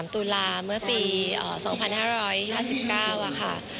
ตุลาเมื่อปี๒๕๕๙ค่ะ